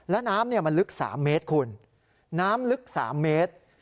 และน้ำมันลึก๓เมตรคุณน้ำลึก๓เมตร